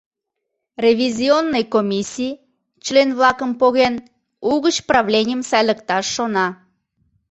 Ревизионный комиссий, член-влакым поген, угыч правленийым сайлыкташ шона.